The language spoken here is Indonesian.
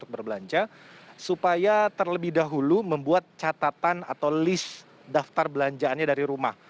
mereka harus membuat catatan atau list daftar belanjaannya dari rumah